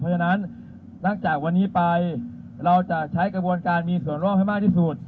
เพราะฉะนั้นหลังจากวันนี้ไปเราจะใช้กระบวนการมีส่วนร่วมให้มากที่สุด